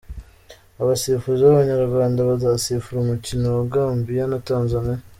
Abasifuzi b’Abanyarwanda bazasifura umukino wa Gambia na Tanzania.